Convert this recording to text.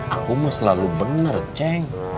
akum mah selalu bener ceng